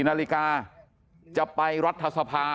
นาฬิกาจะไปรัฐสภา